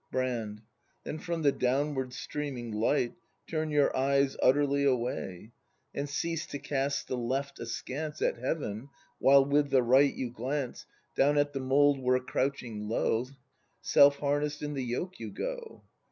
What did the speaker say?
Brand. Then from the downward streaming light Turn your eyes utterly away; And cease to cast the left askance At heaven, while with the right you glance Down at the mould where, crouching low. Self harness 'd in the yoke you go.